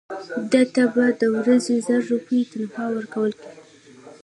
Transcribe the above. ده ته به د ورځې زر روپۍ تنخوا ورکول کېږي.